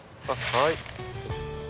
はい。